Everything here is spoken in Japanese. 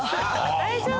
大丈夫？